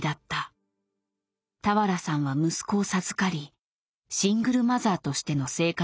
俵さんは息子を授かりシングルマザーとしての生活が始まった。